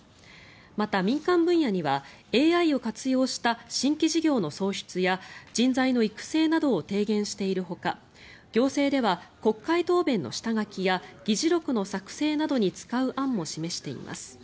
また、民間分野にはＡＩを活用した新規事業の創出や人材の育成などを提言しているほか行政では国会答弁の下書きや議事録の作成などに使う案も示しています。